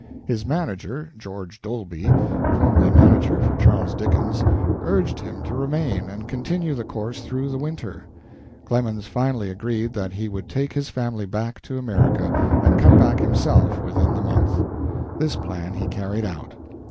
His manager, George Dolby (formerly manager for Charles Dickens), urged him to remain and continue the course through the winter. Clemens finally agreed that he would take his family back to America and come back himself within the month. This plan he carried out.